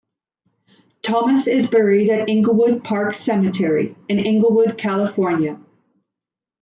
Thomas is buried at Inglewood Park Cemetery in Inglewood, California.